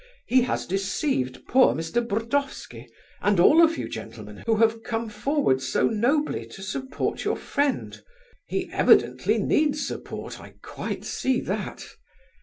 He has deceived poor Mr. Burdovsky, and all of you, gentlemen, who have come forward so nobly to support your friend—(he evidently needs support, I quite see that!).